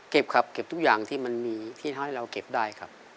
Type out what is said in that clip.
ครับเก็บทุกอย่างที่มันมีที่เขาให้เราเก็บได้ครับ